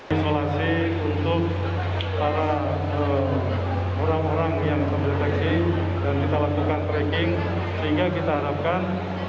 isolasi untuk para orang orang yang terdeteksi dan kita lakukan tracking sehingga kita harapkan